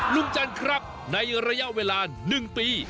ลุงจันทร์ครับในระยะเวลา๑ปี